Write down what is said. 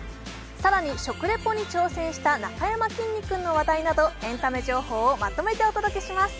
更に食リポに挑戦したなかやまきんに君の話題などエンタメ情報をまとめてお届けします。